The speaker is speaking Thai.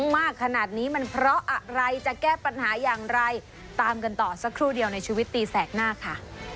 มากขนาดนี้มันเพราะอะไรจะแก้ปัญหาอย่างไรตามกันต่อสักครู่เดียวในชีวิตตีแสกหน้าค่ะ